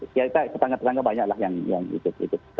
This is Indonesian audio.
kita tetangga tetangga banyaklah yang ikut